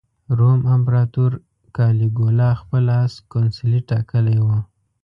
روم امپراطور کالیګولا خپل اس کونسلي ټاکلی و.